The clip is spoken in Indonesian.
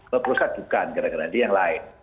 perusahaan bukan kira kira yang lain